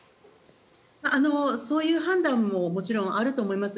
そういう判断ももちろんあると思います。